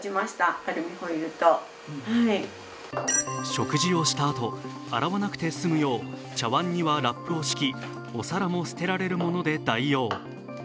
食事をしたあと、洗わなくてすむよう、食器にはラップを敷きお皿も捨てられるもので代用。